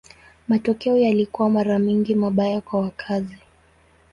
Matokeo yalikuwa mara nyingi mabaya kwa wakazi.